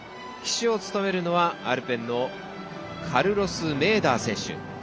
旗手を務めるのはアルペンのカルロス・メーダー選手。